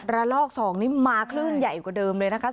ระลอก๒นี้มาคลื่นใหญ่กว่าเดิมเลยนะคะ